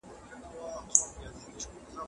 له دښتونو څخه ستون سو تش لاسونه